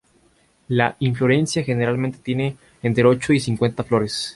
La inflorescencia generalmente tiene entre ocho y cincuenta flores.